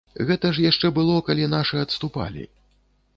Гэта ж яшчэ было, калі нашы адступалі.